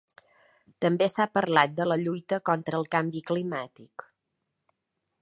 També s’ha parlat de la lluita contra el canvi climàtic.